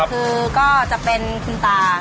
คือก็จะเป็นคุณตา